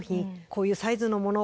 こういうサイズのもの